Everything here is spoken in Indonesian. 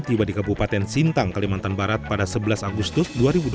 tiba di kabupaten sintang kalimantan barat pada sebelas agustus dua ribu dua puluh